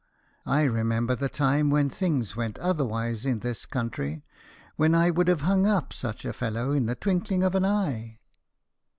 I remember the time when things went otherwise in this country, when I would have hung up such a fellow in the twinkling of an eye!"